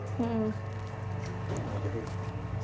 ini bisa dibuang dulu